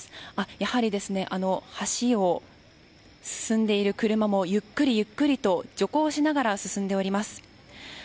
やはり橋を進んでいる車もゆっくりゆっくりと徐行しながら進んでおります。